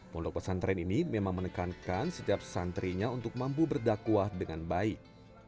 pondok pesantren ini memang menekankan setiap santrinya untuk mampu berdakwah dengan baik